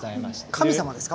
神様ですか？